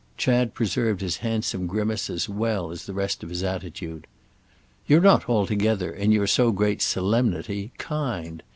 Chad preserved his handsome grimace as well as the rest of his attitude. "You're not altogether—in your so great 'solemnity'—kind.